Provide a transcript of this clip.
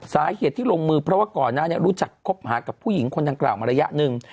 สาเหตุที่ลงมือเพราะว่าก่อนหน้านี้รู้จักคบหากับผู้หญิงคนดังกล่าวมาระยะหนึ่ง